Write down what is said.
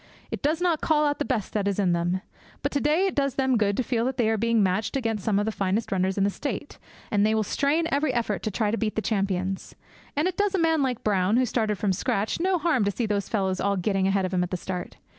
It does not call out the best that is in them. But to day it does them good to feel that they are being matched against some of the finest runners in the State, and they will strain every effort to try to beat the champions. And it does a man like Brown, who started from scratch, no harm to see those fellows all getting ahead of him at the start.